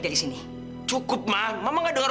dari sini cukup mama mama gak dengar